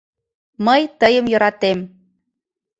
Мый тыйым йӧратем.